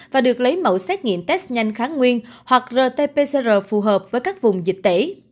và được lấy mẫu xét nghiệm test nhanh kháng nguyên hoặc rt pcr phù hợp với các vùng dịch tễ